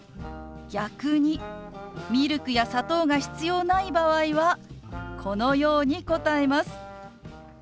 逆にミルクや砂糖が必要ない場合はこのように答えます。